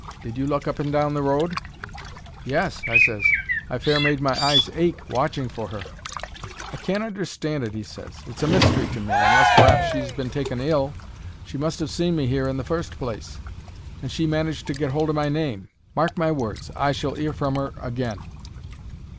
Did you look up and down the road?" "Yes," I ses. "I've fair made my eyes ache watching for her." "I can't understand it," he ses. "It's a mystery to me, unless p'r'aps she's been taken ill. She must 'ave seen me here in the fust place; and she managed to get hold of my name. Mark my words, I shall 'ear from her agin."